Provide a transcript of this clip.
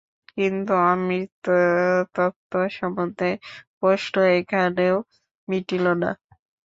কিন্তু অমৃতত্ব সম্বন্ধে প্রশ্ন এখানেও মিটিল না।